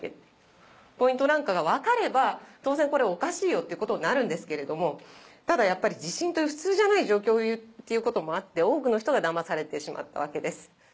ポイントなんかが分かれば当然これおかしいよっていうことになるんですけれどもただ地震という普通じゃない状況っていうこともあって多くの人がだまされてしまったわけです。